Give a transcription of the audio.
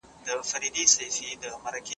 دلته له وهلو څخه اصلي هدف د هغې متوجه کول دي.